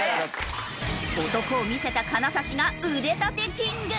男を見せた金指が腕立てキング。